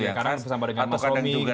yang sama dengan mas romi